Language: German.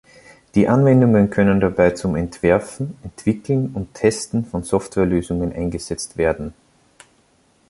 Die Anwendungen können dabei zum Entwerfen, Entwickeln und Testen von Softwarelösungen eingesetzt werden.